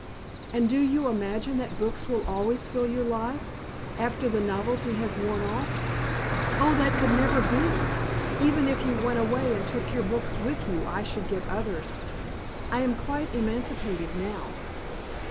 "And do you imagine that books will always fill your life? After the novelty has worn off?" "Oh, that could never be! Even if you went away and took your books with you I should get others. I am quite emancipated now."